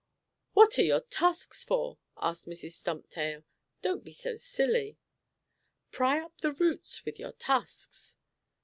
"What are your tusks for?" asked Mrs. Stumptail. "Don't be so silly! Pry up the roots with your tusks!"